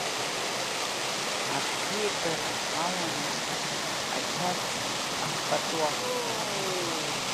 Абзиабара, аламыс, ақьабз, ахпатуақәҵара…